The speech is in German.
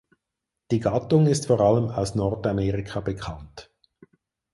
Die Gattung ist vor allem aus Nordamerika bekannt.